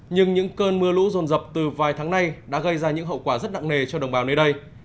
nhưng những cơn mưa lũ rồn rập từ vài tháng nay đã gây ra những hậu quả rất nặng nề cho đồng bào nơi đây